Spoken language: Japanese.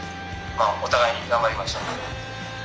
まあお互いに頑張りましょう」。